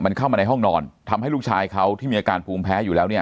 มันเข้ามาในห้องนอนทำให้ลูกชายเขาที่มีอาการภูมิแพ้อยู่แล้วเนี่ย